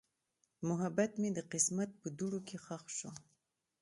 محبت مې د قسمت په دوړو کې ښخ شو.